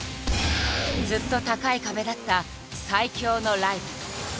ずっと高い壁だった最強のライバル。